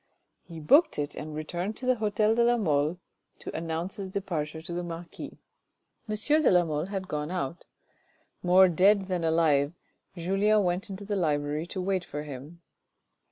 He booked it and returned to the hotel de la Mole to announce his departure to the marquis. M. de la Mole had gone out. More dead than alive Julien went into the library to wait for him.